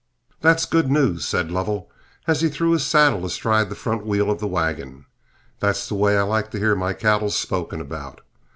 "That's good news," said Lovell, as he threw his saddle astride the front wheel of the wagon; "that's the way I like to hear my cattle spoken about.